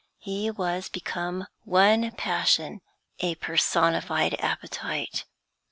He was become one passion, a personified appetite.